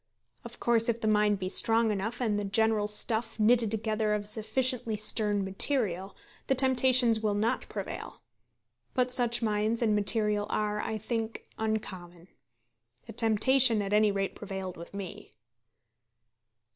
Of course if the mind be strong enough, and the general stuff knitted together of sufficiently stern material, the temptations will not prevail. But such minds and such material are, I think, uncommon. The temptation at any rate prevailed with me.